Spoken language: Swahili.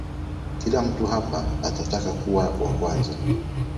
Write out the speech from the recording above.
Kila mtu hapa atataka kuwa wa kwanza.